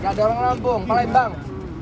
gak ada orang lampung palembang